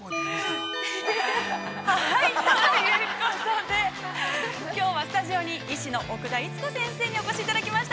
◆はい、ということできょうはスタジオに医師の奥田逸子先生にお越しいただきました。